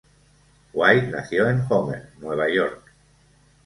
White nació en Homer, Nueva York.